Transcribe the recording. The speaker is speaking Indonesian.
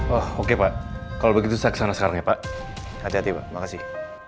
oh oke pak kalau begitu saya kesana sekarang ya pak hati hati makasih